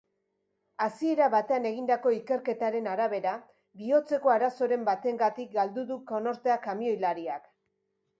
Hasiera batean egindako ikerketaren arabera, bihotzeko arazoren batengatik galdu du konortea kamioilariak.